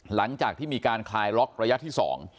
หลังจากที่มีการคลายล็อกระยะที่๒